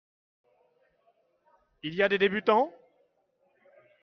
Il y a des débutants ?